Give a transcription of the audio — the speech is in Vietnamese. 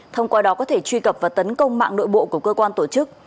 thông qua đó có thể truy cập và tấn công mạng nội bộ của cơ quan tổ chức